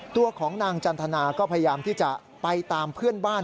ตัวของนางจันทนาก็พยายามที่จะไปตามเพื่อนบ้าน